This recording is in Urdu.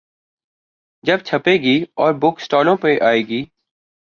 جب چھپے گی اور بک سٹالوں پہ آئے گی۔